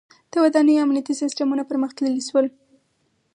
• د ودانیو امنیتي سیستمونه پرمختللي شول.